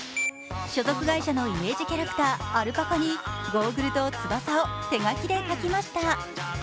所属会社のイメージキャラクターのアルパカにゴーグルと翼を手描きで描きました。